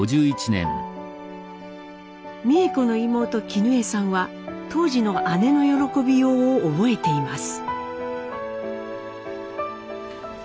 美枝子の妹絹江さんは当時の姉の喜びようを覚えています。